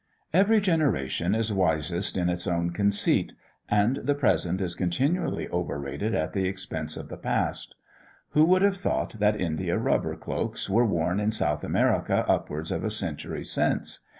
Every generation is wisest in its own conceit, and the present is continually overrated at the expense of the past. Who would have thought that India rubber cloaks were worn in South America upwards of a century since?